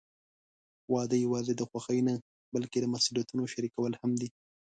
واده یوازې د خوښۍ نه، بلکې د مسوولیتونو شریکول هم دي.